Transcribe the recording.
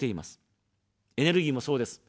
エネルギーもそうです。